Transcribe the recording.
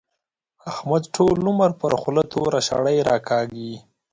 احمد ټول عمر پر خوله توره شړۍ راکاږي.